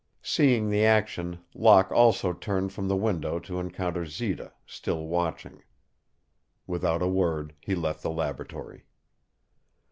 Seeing the action, Locke also turned from the window to encounter Zita, still watching. Without a word he left the laboratory.